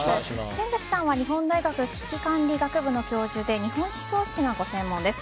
先崎さんは日本大学危機管理学部の教授で日本思想史がご専門です。